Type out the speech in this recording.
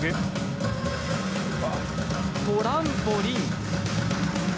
トランポリン。